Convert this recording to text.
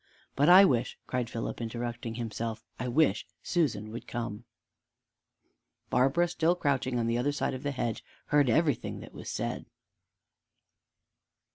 But I wish," cried Philip, interrupting himself, "I wish Susan would come!" Barbara, still crouching on the other side of the hedge, heard everything that was said.